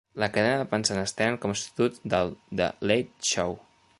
La cadena va pensar en Stern com a substitut del "The Late Show".